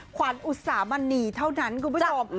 ขวัญอุตสามณีเท่านั้นคุณผู้ชม